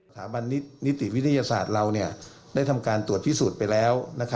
ถาบันนิติวิทยาศาสตร์เราได้ทำการตรวจพิสูจน์ไปแล้ว